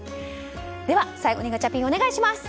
では、最後にガチャピンお願いします。